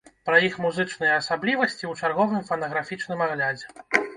Пра іх музычныя асаблівасці ў чарговым фанаграфічным аглядзе.